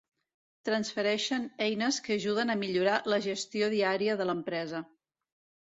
Transfereixen eines que ajuden a millorar la gestió diària de l'empresa.